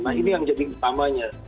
nah ini yang jadi utamanya